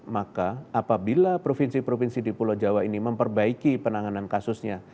maka apabila provinsi provinsi di pulau jawa ini memperbaiki penanganan kasusnya